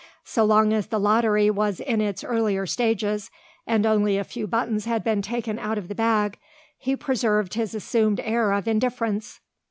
So long as the lottery was in its earlier stages, and only a few buttons had been taken out of the bag, he preserved his assumed air of indifference.